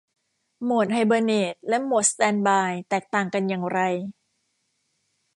โหมดไฮเบอร์เนตและโหมดสแตนด์บายแตกต่างกันอย่างไร